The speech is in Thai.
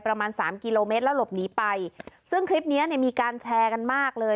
ประมาณสามกิโลเมตรแล้วหลบหนีไปซึ่งคลิปเนี้ยมีการแชร์กันมากเลย